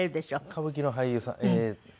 歌舞伎の俳優さんえっと。